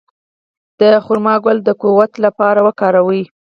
د خرما ګل د قوت لپاره وکاروئ